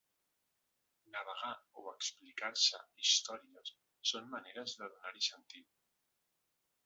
Navegar o explicar-se històries són maneres de donar-hi sentit.